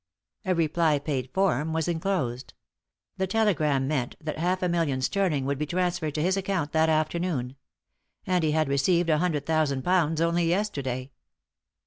A reply paid form was enclosed. The telegram meant that half a million sterling would be transferred to his account that afternoon. And he had received a hundred thousand pounds only yesterday.